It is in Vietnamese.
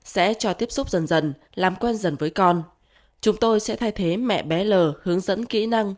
sẽ cho tiếp xúc dần dần làm quen dần với con chúng tôi sẽ thay thế mẹ bé l hướng dẫn kỹ năng